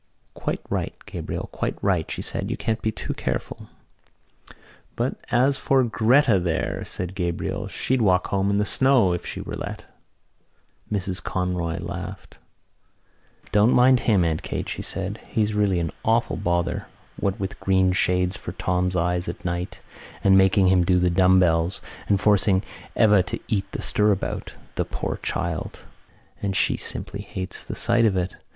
"Quite right, Gabriel, quite right," she said. "You can't be too careful." "But as for Gretta there," said Gabriel, "she'd walk home in the snow if she were let." Mrs Conroy laughed. "Don't mind him, Aunt Kate," she said. "He's really an awful bother, what with green shades for Tom's eyes at night and making him do the dumb bells, and forcing Eva to eat the stirabout. The poor child! And she simply hates the sight of it!...